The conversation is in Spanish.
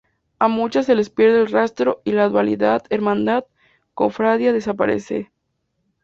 A muchas se les pierde el rastro y la dualidad Hermandad- Cofradía desaparece.